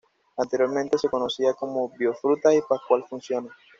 Anteriormente se conocía como "Bio Frutas" y "Pascual Funciona".